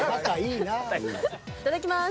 いただきます。